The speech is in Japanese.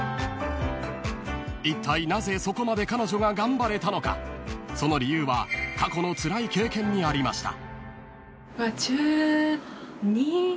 ［いったいなぜそこまで彼女が頑張れたのかその理由は過去のつらい経験にありました］